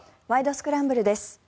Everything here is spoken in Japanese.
スクランブル」です。